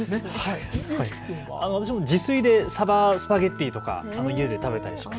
私も自炊でサバスパゲッティとか家で食べたりします。